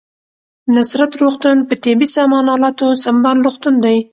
نصرت روغتون په طبي سامان الاتو سمبال روغتون دی